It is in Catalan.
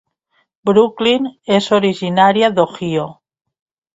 Brooklyn és originària d'Ohio.